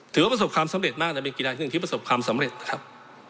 ถือว่าประสบความสำเร็จมากแต่เป็นกีฬาครึ่งหนึ่งที่ประสบความสำเร็จนะครับ